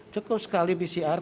cukup sekali pcr